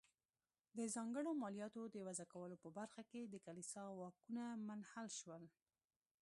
د ځانګړو مالیاتو د وضع کولو په برخه کې د کلیسا واکونه منحل شول.